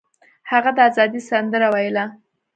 هغه د ازادۍ سندره ویله.